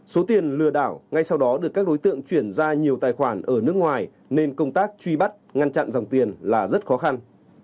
số tiền lừa đảo ngay sau đó được các đối tượng chuyển ra nhiều tài khoản ở nước ngoài nên công tác truy bắt ngăn chặn dòng tiền là rất khó khăn